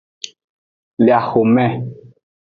Le axome.